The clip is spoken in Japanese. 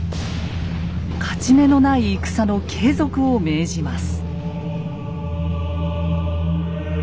勝ち目のない戦の継続を命じます。